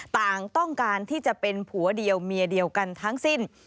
ต่างต้องการที่จะเป็นผัวเดียวเมียเดียวกันทั้งสิ้น